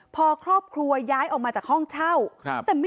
แล้วสมโพเวสีทำไมจะต้องมาแบบ